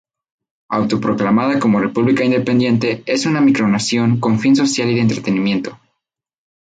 Autoproclamada como república independiente, es una micronación con fin social y de entretenimiento.